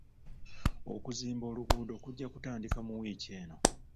Okuzimba oluguudo kujja kutandika mu wiiki eno.